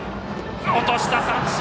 落とした、三振。